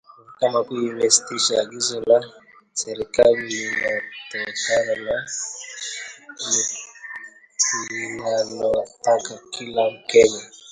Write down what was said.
Mahakama Kuu imesitisha agizo la serikali linalotaka kila mkenya